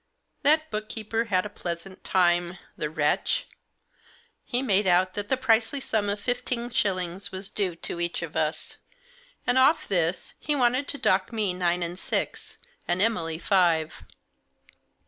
That book keeper had a pleasant time — the wretch ! He made out that the princely sum of fifteen shillings was due to each of us ; and off this, he wanted to dock me nine and six, and Emily five.